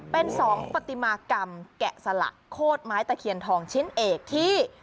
เป็นสองปฏิมากรรมแกะสลักโคตรไม้ตะเคียนทองชิ้นเอกที่